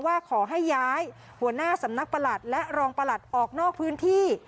ว่าขอให้ย้ายหัวหน้าสำนักประหลัดและรองประหลัดออกนอกพื้นที่